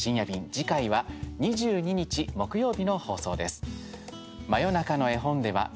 次回は２２日木曜日の放送です。